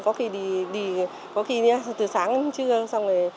có khi từ sáng